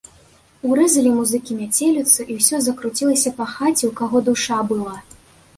Урэзалі музыкі мяцеліцу, і ўсё закруцілася па хаце, у каго душа была.